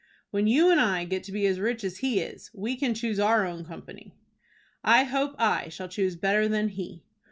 "When you and I get to be as rich as he is, we can choose our own company." "I hope I shall choose better than he."